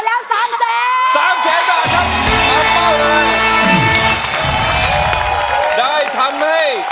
ยังไม่มีให้รักยังไม่มี